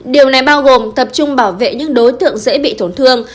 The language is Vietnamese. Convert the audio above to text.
điều này bao gồm tập trung bảo vệ những đối tượng dễ bị tổn thương